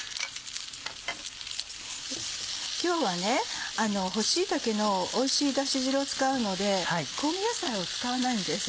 今日は干し椎茸のおいしいだし汁を使うので香味野菜を使わないんです。